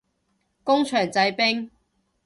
工場製冰